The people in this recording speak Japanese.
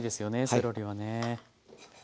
セロリはね。